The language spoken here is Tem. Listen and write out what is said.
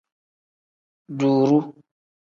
Duuru.